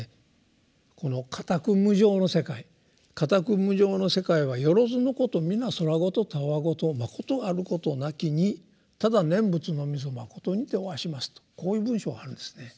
この火宅無常の世界「火宅無常の世界はよろづのことみなそらごとたわごとまことあることなきにただ念仏のみぞまことにておはします」とこういう文章があるんですね。